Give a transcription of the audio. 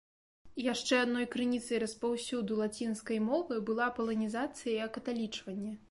Яшчэ адной крыніцай распаўсюду лацінскай мовы была паланізацыя і акаталічванне.